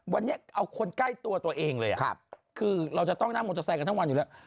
วันนี้เอาคนใกล้ตัวตัวเองเลยคือเราจะต้องนั่งมอเตอร์ไซค์กันทั้งวันอยู่แล้ว